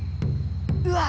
うわ！